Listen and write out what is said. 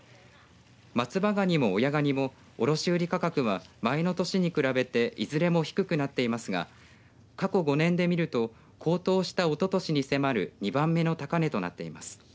松葉がにも、親がにも卸売価格は前の年に比べていずれも低くなっていますが過去５年で見ると高騰したおととしに迫る２番目の高値となっています。